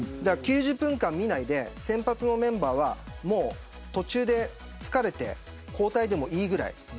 ９０分間見ないで選抜のメンバーは途中で疲れて交代でもいいぐらいです。